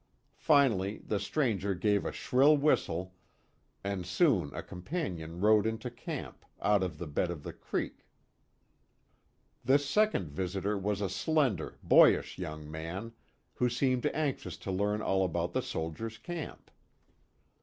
Finally the stranger gave a shrill whistle, and soon a companion rode into camp, out of the bed of the creek. This second visitor was a slender, boyish young man, who seemed anxious to learn all about the soldiers' camp.